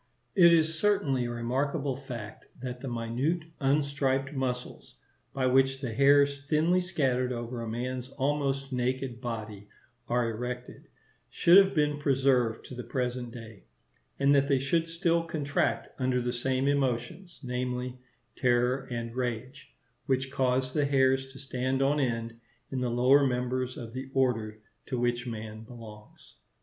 It is certainly a remarkable fact, that the minute unstriped muscles, by which the hairs thinly scattered over man's almost naked body are erected, should have been preserved to the present day; and that they should still contract under the same emotions, namely, terror and rage, which cause the hairs to stand on end in the lower members of the Order to which man belongs.